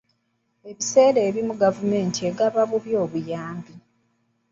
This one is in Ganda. Ebiseera ebimu gavumenti egaba bubi obuyambi.